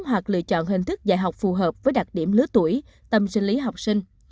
hoặc lựa chọn hình thức dạy học phù hợp với đặc điểm lứa tuổi tâm sinh lý học sinh